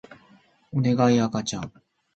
おねがい赤ちゃん